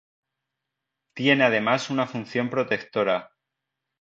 Tiene además una función protectora.